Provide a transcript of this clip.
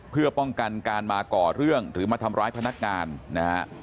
เพื่อป้องกันการมาก่อเรื่องหรือมาทำร้ายพนักงานนะฮะ